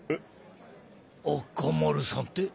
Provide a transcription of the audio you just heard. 赤丸さんって？